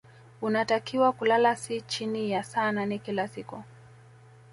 Unatakiwa kulala si chini ya saa nane kila siku